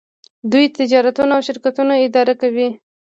دوی تجارتونه او شرکتونه اداره کوي.